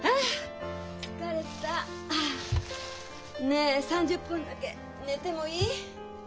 ねえ３０分だけ寝てもいい？